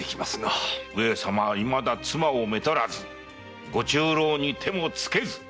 上様はいまだ妻をめとらずお中臈に手もつけず。